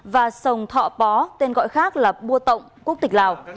và sông thọ pó tên gọi khác là bua tộng quốc tịch lào